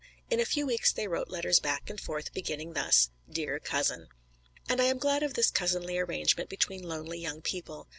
In a few weeks they wrote letters back and forth beginning thus: Dear Cousin. And I am glad of this cousinly arrangement between lonely young people.